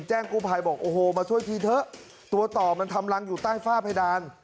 กู้ภัยบอกโอ้โหมาช่วยทีเถอะตัวต่อมันทำรังอยู่ใต้ฝ้าเพดาน